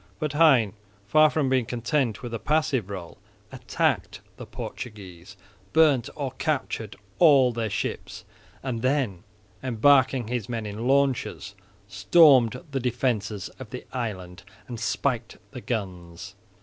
But Hein, far from being content with a passive role, attacked the Portuguese, burnt or captured all their ships and then, embarking his men in launches, stormed the defences of the island and spiked the guns.